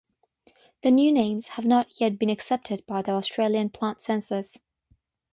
The new names have not yet been accepted by the Australian Plant Census.